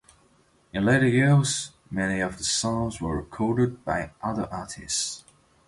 In later years, many of the songs were recorded by other artists.